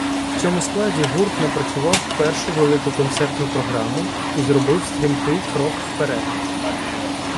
В цьому складі гурт напрацював першу велику концертну програму і зробив стрімкий крок вперед.